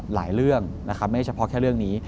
หลายเรื่องไม่ได้เฉพาะแค่เรื่องนี้